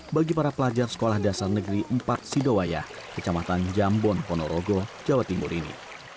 bagi para pelajar sekolah dasar negeri empat sidowaya kecamatan jambon ponorogo jawa timur ini